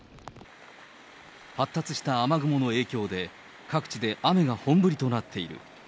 発達した雨雲の影響で、各地で雨が本降りとなっている。